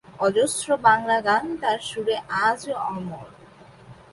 অজস্র বাংলা গান তার সুরে আজও অমর।